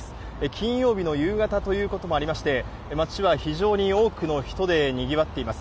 金曜日の夕方ということもあり街は非常に多くの人でにぎわっています。